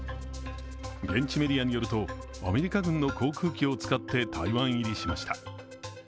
現地メディアによると、アメリカ軍の航空機を使って台湾入りしました。